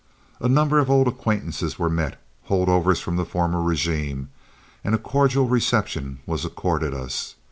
A number of old acquaintances were met, hold overs from the former régime, and a cordial reception was accorded us.